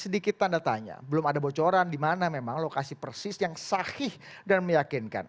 sedikit tanda tanya belum ada bocoran dimana memang lokasi persis yang sahih dan meyakinkan